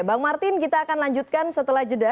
bang martin kita akan lanjutkan setelah jeda